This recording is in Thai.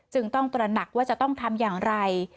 จึงต้องตระหนักว่าจะต้องทำอย่างไร